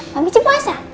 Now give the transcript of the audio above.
mami cik puasa